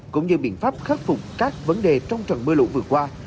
cũng như biện pháp khắc phục các vấn đề trong trận mưa lũ vừa qua